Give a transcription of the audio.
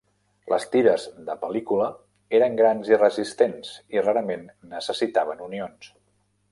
Les tires de pel·lícula eren grans i resistents, i rarament necessitaven unions.